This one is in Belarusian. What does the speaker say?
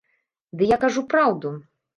Ды я кажу праўду.